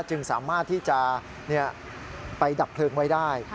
จึงสามารถที่จะไปดับเพลิงไว้ได้